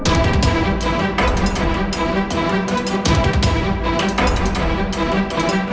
untuk apa yang ket clicking